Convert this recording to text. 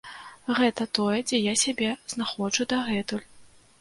Гэта тое, дзе я сябе знаходжу дагэтуль.